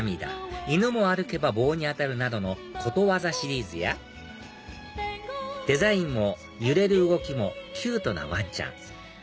犬も歩けば棒に当たるなどのことわざシリーズやデザインも揺れる動きもキュートなわんちゃん